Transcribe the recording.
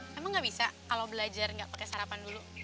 emang enggak bisa kalau belajar enggak pakai sarapan dulu